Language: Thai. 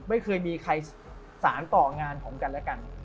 ไม่เคยมีใครสารต่องานผมกันและกัน